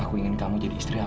aku ingin kamu jadi istri olah